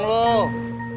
sumpah masa gue bohong